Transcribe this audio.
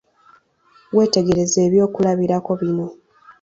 Weetegereze ebyokulabirako bino.